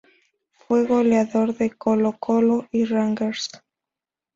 Fue goleador de Colo-Colo y Rangers.